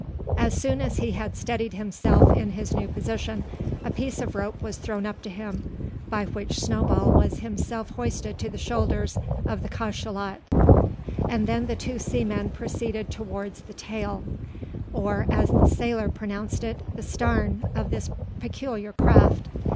As soon as he had steadied himself in his new position, a piece of rope was thrown up to him, by which Snowball was himself hoisted to the shoulders of the cachalot; and then the two seamen proceeded towards the tail, or, as the sailor pronounced it, the "starn" of this peculiar craft.